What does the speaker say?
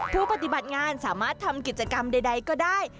ผู้ปฏิบัติงานสามารถทำกิจกรรมใดก็ได้